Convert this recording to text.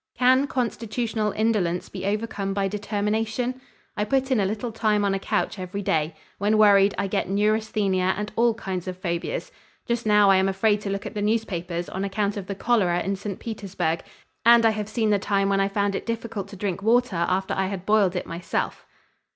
Can constitutional indolence be overcome by determination? I put in a little time on a couch every day. When worried I get neurasthenia and all kinds of phobias. Just now I am afraid to look at the newspapers on account of the cholera in St. Petersburg, and I have seen the time when I found it difficult to drink water after I had boiled it myself."